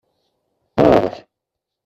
Part !